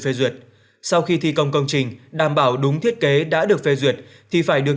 phê duyệt sau khi thi công công trình đảm bảo đúng thiết kế đã được phê duyệt thì phải được